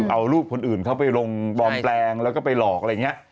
เอารูปคนอื่นเขาไปลงปลอมแปลงแล้วก็ไปหลอกอะไรอย่างนี้